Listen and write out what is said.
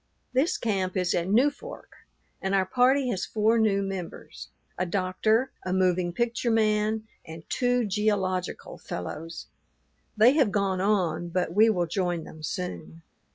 This camp is at Newfork, and our party has four new members: a doctor, a moving picture man, and two geological fellows. They have gone on, but we will join them soon.